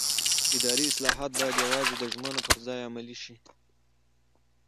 اداري اصلاحات باید یوازې د ژمنو پر ځای عملي شي